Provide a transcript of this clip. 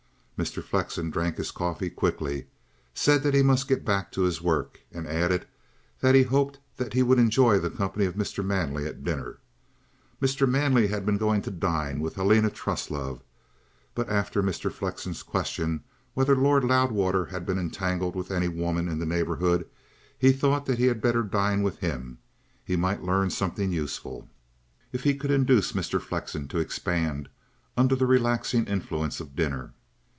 Mr. Flexen drank his coffee quickly, said that he must get back to his work, and added that he hoped that he would enjoy the company of Mr. Manley at dinner. Mr. Manley had been going to dine with Helena Truslove; but after Mr. Flexen's question whether Lord Loudwater had been entangled with any woman in the neighbourhood, he thought that he had better dine with him. He might learn something useful, if he could induce Mr. Flexen to expand under the relaxing influence of dinner.